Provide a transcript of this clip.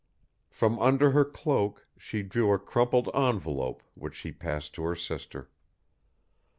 From under her cloak she drew a crumpled envelope which she passed to her sister.